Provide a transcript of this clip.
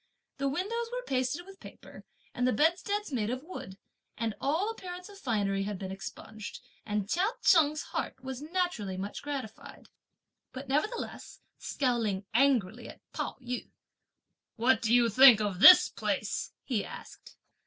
The windows were pasted with paper, and the bedsteads made of wood, and all appearance of finery had been expunged, and Chia Cheng's heart was naturally much gratified; but nevertheless, scowling angrily at Pao yü, "What do you think of this place?" he asked.